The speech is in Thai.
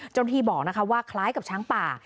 เจ้าหน้าที่บอกว่าคล้ายกับช้างป่า